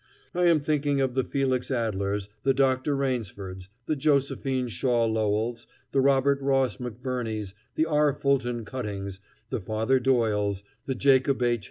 I am thinking of the Felix Adlers, the Dr. Rainsfords, the Josephine Shaw Lowells, the Robert Ross McBurneys, the R. Fulton Cuttings, the Father Doyles, the Jacob H.